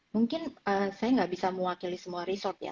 mungkin saya nggak bisa mewakili semua resort ya